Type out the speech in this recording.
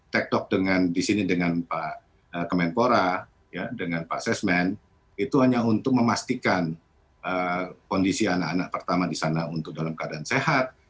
take talk dengan di sini dengan pak kemenpora dengan pak sesmen itu hanya untuk memastikan kondisi anak anak pertama di sana untuk dalam keadaan sehat